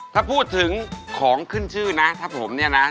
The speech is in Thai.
ถ้าพูดถึงของขึ้นชื่อนะถ้าผมเนี่ยนะ